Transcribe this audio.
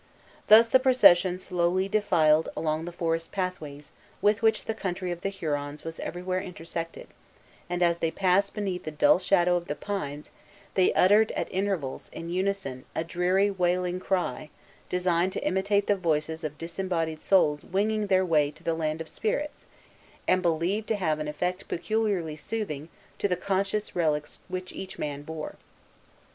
Thus the procession slowly defiled along the forest pathways, with which the country of the Hurons was everywhere intersected; and as they passed beneath the dull shadow of the pines, they uttered at intervals, in unison, a dreary, wailing cry, designed to imitate the voices of disembodied souls winging their way to the land of spirits, and believed to have an effect peculiarly soothing to the conscious relics which each man bore.